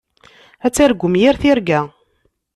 Ad targum yir tirga.